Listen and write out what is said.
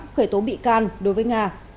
khởi tố bị can